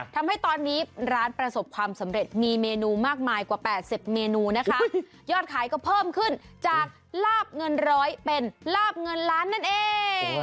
ทำให้ตอนนี้ร้านประสบความสำเร็จมีเมนูมากมายกว่า๘๐เมนูนะคะยอดขายก็เพิ่มขึ้นจากลาบเงินร้อยเป็นลาบเงินล้านนั่นเอง